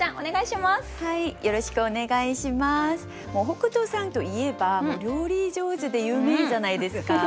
北斗さんといえば料理上手で有名じゃないですか。